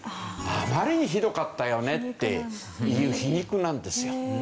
あまりにひどかったよねっていう皮肉なんですよ。